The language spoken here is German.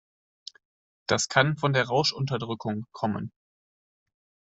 Das kann von der Rauschunterdrückung kommen.